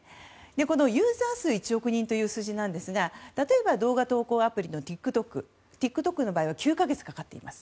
このユーザー数１億人という数字ですが例えば動画投稿アプリのＴｉｋＴｏｋの場合は９か月かかっています。